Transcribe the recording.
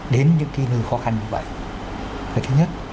đến những nơi khó khăn như vậy là thứ nhất